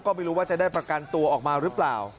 ก็ไม่รู้ว่าจะได้ประกันตัวออกมาหรือเปล่า